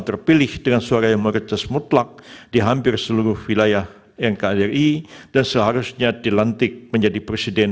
terpilih dengan suara yang merces mutlak di hampir seluruh wilayah nkri dan seharusnya dilantik menjadi presiden